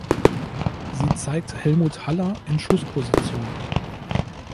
Sie zeigt Helmut Haller in Schussposition.